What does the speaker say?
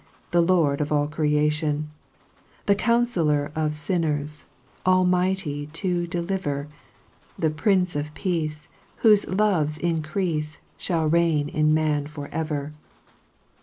Tne Lord of all creation ; The Couufellor of finners, Almighty to deliver, The Prince of Peace, AYhofe love's increafe, Shall reign in man for ever.